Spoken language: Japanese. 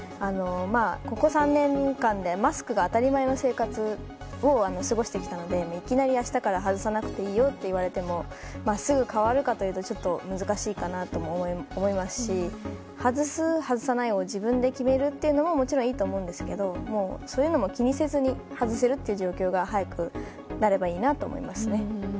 ここ３年間でマスクが当たり前の生活を過ごしてきたのでいきなり明日から外さなくていいよと言われてもすぐ変わるかというとちょっと難しいかなとも思いますし、外す外さないを自分で決めるというのももちろんいいと思うんですけどそういうのも気にせずに外せる状況に早くなればいいなと思います。